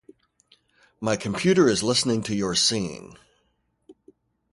My computer is listening to your singing.